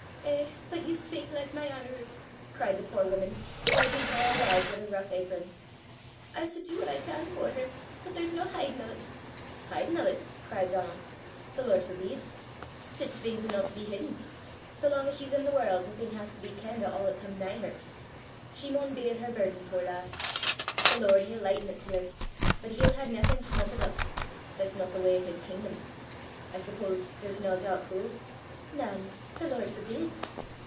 "Eh, but ye speyk like my Anerew!" cried the poor woman, wiping her old eyes with her rough apron. "I s' do what I can for her; but there's no hidin' o' 't!" "Hidin' o' 't!" cried Donal. "The Lord forbid! Sic things are no to be hidden! Sae lang 's she's i' the warl', the thing has to be kenned o' a' 'at come nigh her. She maun beir her burden, puir lass! The Lord, he'll lichten 't til her, but he'll hae naething smugglet up. That's no the w'y o' his kingdom! I suppose there's nae doobt wha?" "Nane. The Lord forbid!"